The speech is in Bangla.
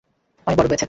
অনেক বড় হয়েছে।